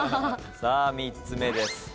さあ３つ目です。